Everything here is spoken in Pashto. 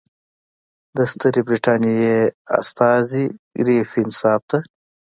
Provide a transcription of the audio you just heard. د ستري برټانیې استازي ګریفین صاحب ته.